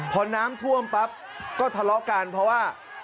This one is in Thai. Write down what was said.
พอน้ำท่วมปั๊บก็ทะเลาะกันเพราะว่า